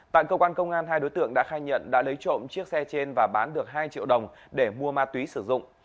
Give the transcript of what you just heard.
tại cơ quan công an hai đối tượng đã khai nhận đã lấy trộm chiếc xe trên và bán được hai triệu đồng để mua ma túy sử dụng